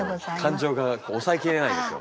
感情が抑えきれないんですよ。